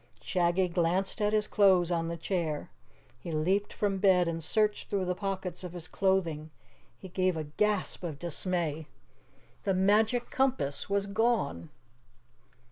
Shaggy glanced at his clothes on the chair. He leaped from bed and searched through the pockets of his clothing. He gave a gasp of dismay. The Magic Compass was gone!